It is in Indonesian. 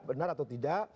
benar atau tidak